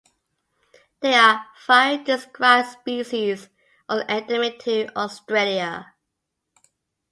There are five described species, all endemic to Australia.